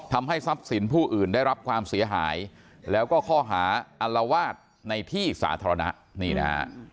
ทำให้ทรัพย์สินผู้อื่นได้รับความเสียหายแล้วก็ข้อหาอัลวาสในที่สาธารณะนี่นะฮะ